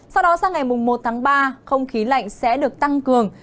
sau đó sang ngày một tháng ba không khí lạnh sẽ được tăng cường